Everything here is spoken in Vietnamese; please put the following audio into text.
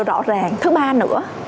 rõ ràng thứ ba nữa